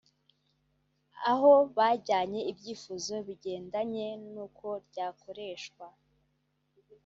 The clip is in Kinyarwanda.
aho bajyanye ibyifuzo bigendanye n’uko ryakoreshwa